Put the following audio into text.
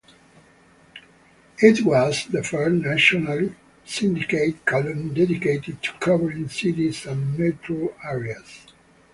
It was the first nationally syndicated column dedicated to covering cities and metro areas.